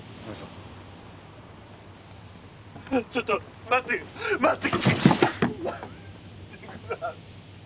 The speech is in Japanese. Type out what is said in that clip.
ちょっと待って待って。